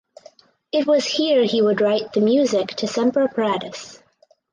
It was here he would write the music to "Semper Paratus".